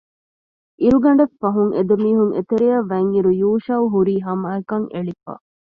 އިރުގަނޑެއް ފަހުން އެދެމީހުން އެތެރެއަށް ވަތްއިރު ޔޫޝައު ހުރީ ހަމައަކަށް އެޅިފަ